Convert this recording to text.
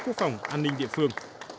quốc phòng an ninh địa phương